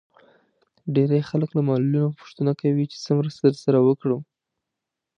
ډېری خلک له معلولينو پوښتنه کوي چې څه مرسته درسره وکړم.